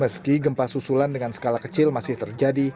meski gempa susulan dengan skala kecil masih terjadi